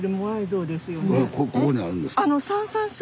ここにあるんですか？